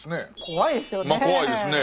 怖いですよね。